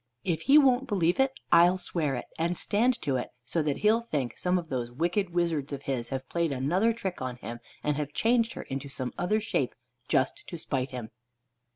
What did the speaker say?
If he won't believe, I'll swear it, and stand to it, so that he'll think some of those wicked wizards of his have played another trick on him, and have changed her into some other shape just to spite him."